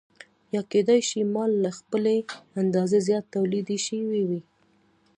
یا کېدای شي مال له خپلې اندازې زیات تولید شوی وي